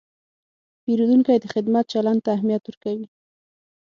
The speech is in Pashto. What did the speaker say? پیرودونکی د خدمت چلند ته اهمیت ورکوي.